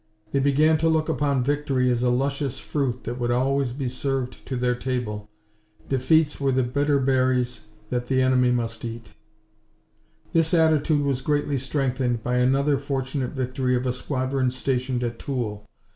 They began to look upon victory as a luscious fruit that would always be served to their table defeats were the bitterberries that the enemy must eat. This attitude was greatly strengthened by another fortunate victory of a squadron stationed at Toul.